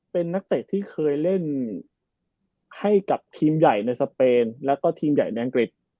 เป็นนักเตะที่เคยเล่นให้กับทีมใหญ่ในสเปนแล้วก็ทีมใหญ่ในอังกฤษ